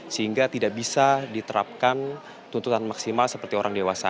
sehingga tidak bisa diterapkan tuntutan maksimal seperti orang dewasa